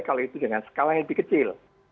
kalau itu dengan skala yang lebih kecil